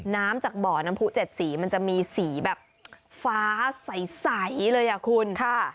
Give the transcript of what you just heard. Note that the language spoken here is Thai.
น้ำจากบ่อน้ำผู้๗สีมันจะมีสีแบบฟ้าใสเลยอ่ะคุณค่ะ